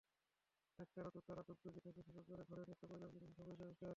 একতারা, দোতারা, ডুগডুগি থেকে শুরু করে ঘরের নিত্যপ্রয়োজনীয় জিনিস সবই রয়েছে।